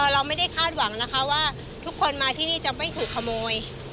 เราไม่ได้คาดหวังนะคะว่าทุกคนมาที่นี่จะไม่ถูกขโมย